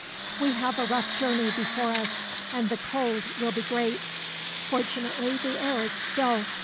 We have a rough journey before us, and the cold will be great. Fortunately, the air is still.